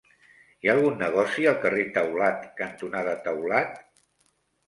Hi ha algun negoci al carrer Taulat cantonada Taulat?